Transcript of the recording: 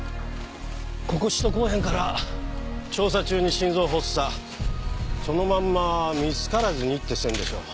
ここ人来おへんから調査中に心臓発作そのまんま見つからずにって線でしょう。